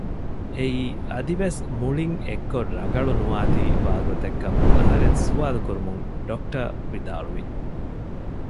އެއީ އަދިވެސް މުޅިން އެއްކޮށް ރަނގަޅުނުވާތީ ވާގޮތެއް ކަމަށް އަހަރެން ސުވާލުކުރުމުން ޑޮކްޓަރ ވިދާޅުވި